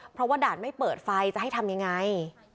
เพราะว่าด่านไม่เปิดไฟจะให้ทำยังไง